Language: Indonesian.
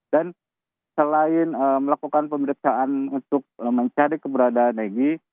dan selain melakukan pemeriksaan untuk mencari keberadaan peggy